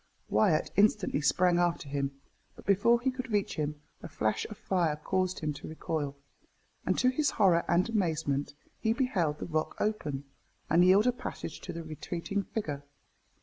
Wyat instantly sprang after him, but before he could reach him a flash of fire caused him to recoil, and to his horror and amazement, he beheld the rock open, and yield a passage to the retreating figure.